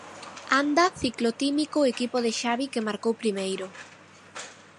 Anda ciclotímico o equipo de Xavi que marcou primeiro.